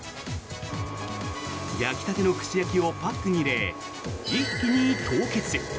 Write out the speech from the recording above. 焼きたての串焼きをパックに入れ一気に凍結。